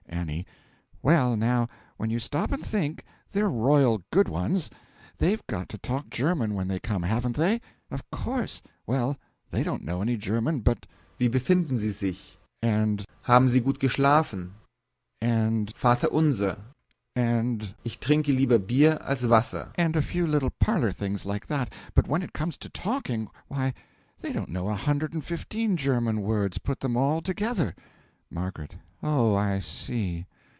A. Well, now, when you stop and think, they're royal good ones. They've got to talk German when they come, haven't they? Of course. Well, they don't know any German but Wie befinden Sie sich, and Haben Sie gut geschlafen, and Vater unser, and Ich trinke lieber Bier als Wasser, and a few little parlour things like that; but when it comes to talking, why, they don't know a hundred and fifteen German words, put them all together. M. Oh, I see.